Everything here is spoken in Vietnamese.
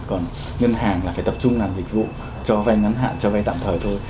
còn ngân hàng là phải tập trung làm dịch vụ cho vay ngắn hạn cho vay tạm thời thôi